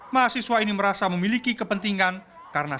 yang sudah malam ini proneksi